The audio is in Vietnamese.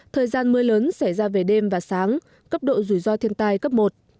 thời gian mưa lớn xảy ra về đêm và sáng cấp độ rủi ro thiên tai cấp một